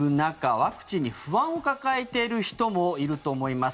ワクチンに不安を抱えている人もいると思います。